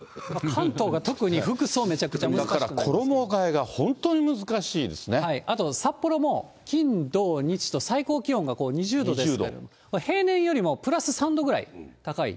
関東が特に服装、だから衣がえが本当に難しいあと、札幌も金、土、日と最高気温が２０度ですので、平年よりもプラス３度ぐらい高い。